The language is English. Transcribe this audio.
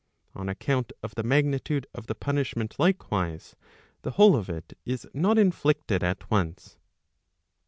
—On account of the magnitude of the punishment likewise, the whole of it is not inflicted at once.